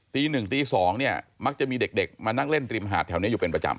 ตี๑ตี๒เนี่ยมักจะมีเด็กมานั่งเล่นริมหาดแถวนี้อยู่เป็นประจำ